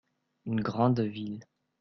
une grande ville.